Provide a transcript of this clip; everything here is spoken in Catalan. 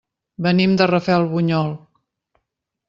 Venim de Rafelbunyol.